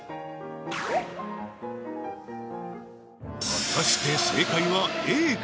果たして正解はＡか？